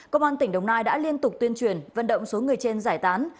công an tỉnh đồng nai đã liên tục tuyên truyền vận động số người trên giải tán